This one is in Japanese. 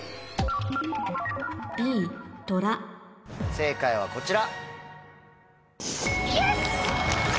正解はこちら。